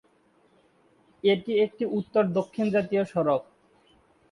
এটি একটি উত্তর-দক্ষিণ জাতীয় সড়ক।